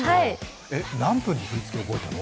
何分で振り付け覚えたの？